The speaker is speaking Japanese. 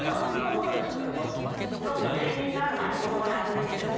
ノブが芸人になる前に大阪に遊びに来てん。